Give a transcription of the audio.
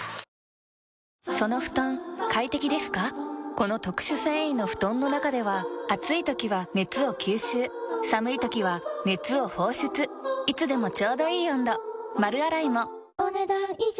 この特殊繊維の布団の中では暑い時は熱を吸収寒い時は熱を放出いつでもちょうどいい温度丸洗いもお、ねだん以上。